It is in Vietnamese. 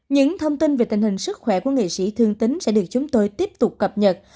những thông tin về tình hình sức khỏe của nghệ sĩ thương tính sẽ được chúng tôi tiếp tục cập nhật